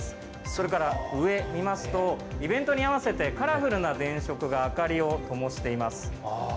それから上見ますとイベントに合わせてカラフルな電飾が明かりをともしています。